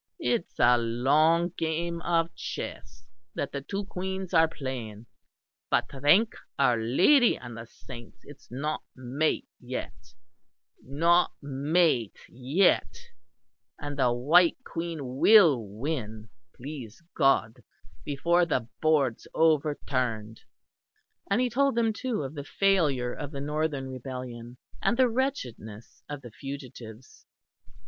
It's a long game of chess that the two Queens are playing; but thank our Lady and the Saints it's not mate yet not mate yet; and the White Queen will win, please God, before the board's over turned." And he told them, too, of the failure of the Northern Rebellion, and the wretchedness of the fugitives.